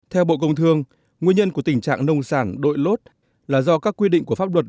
theo bộ công thương nguyên nhân của tình trạng nông sản đội lốt là do các quy định của pháp luật